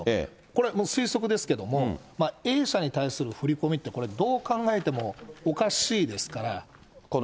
これ、推測ですけども、Ａ社に対する振り込みって、これどう考えてもおかしいですから。